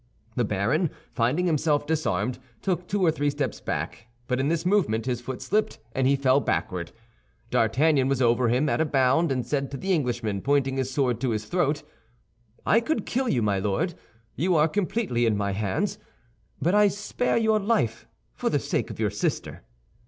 The baron, finding himself disarmed, took two or three steps back, but in this movement his foot slipped and he fell backward. D'Artagnan was over him at a bound, and said to the Englishman, pointing his sword to his throat, "I could kill you, my Lord, you are completely in my hands; but I spare your life for the sake of your sister."